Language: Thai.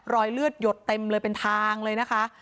รอยเลือดหยดเต็มเลยเป็นทางเลยนะคะ